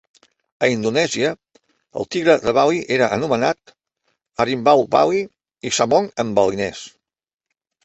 A Indonèsia, el tigre de Bali era anomenat "harimbau bali" i "samong" en balinès.